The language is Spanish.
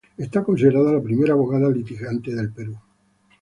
Es considerada la primera abogada litigante del Perú.